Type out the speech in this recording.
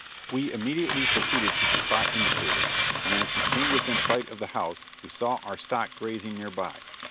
We immediately proceeded to the spot indicated, and as we came within sight of the house we saw our stock grazing near by.